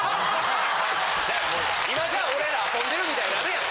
今じゃあ俺ら遊んでるみたいになるやん！